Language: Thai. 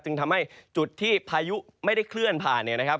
จึงทำให้จุดที่พายุไม่ได้เคลื่อนผ่านเนี่ยนะครับ